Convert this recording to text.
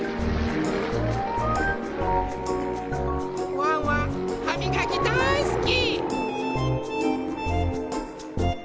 ワンワンはみがきだいすき！